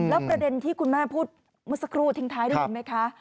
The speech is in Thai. แล้วประเด็นที่คุณแม่พูดเมื่อสักครู่ทิ้งท้ายได้ยินไหมคะ